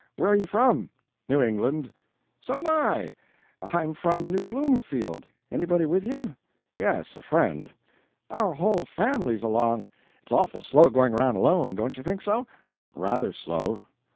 Where are you from?" "New England." "So'm I. I'm from New Bloomfield. Anybody with you?" "Yes a friend." "Our whole family's along. It's awful slow, going around alone don't you think so?" "Rather slow."